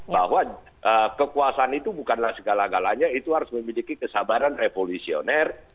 bahwa kekuasaan itu bukanlah segala galanya itu harus memiliki kesabaran revolusioner